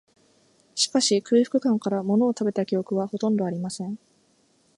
しかし、空腹感から、ものを食べた記憶は、ほとんどありません